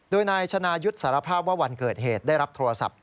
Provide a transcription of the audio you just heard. โดยนายชนายุทธ์สารภาพว่าวันเกิดเหตุได้รับโทรศัพท์